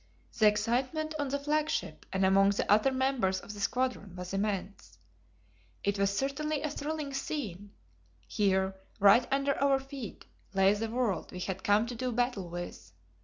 The excitement on the flagship and among the other members of the squadron was immense. It was certainly a thrilling scene. Here, right under our feet, lay the world we had come to do battle with.